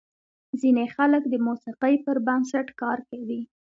ځینې خلک د موسیقۍ پر بنسټ کار کوي.